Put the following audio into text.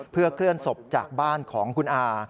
เพื่อเคลื่อนศพจากบ้านของคุณอา